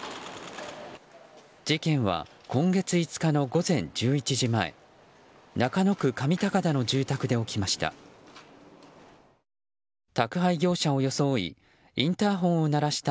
事件は、今月５日の午前１１時前中野区上高田の住宅で起きました。